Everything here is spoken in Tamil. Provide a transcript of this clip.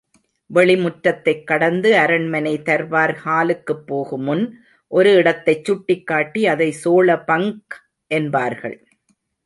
வெளி முற்றத்தைக் கடந்து அரண்மனை தர்பார் ஹாலுக்குப் போகுமுன், ஒரு இடத்தைச் சுட்டிக் காட்டி அதைச் சோழபங்க் என்பார்கள்.